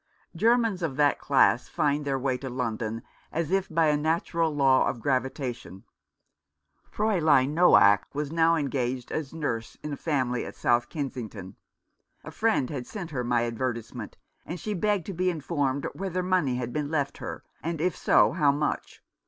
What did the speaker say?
Germans of that class find their way to London as if by a natural law of gravita tion. Fraulein Xoack was now engaged as nurse in a family at South Kensington. A friend had sent her my advertisement, and she begged to be informed whether money had been left her, and if so, how much